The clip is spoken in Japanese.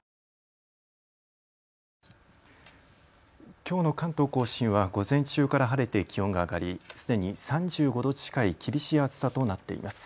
きょうの関東甲信は午前中から晴れて気温が上がりすでに３５度近い厳しい暑さとなっています。